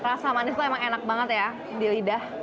rasa manis tuh emang enak banget ya di lidah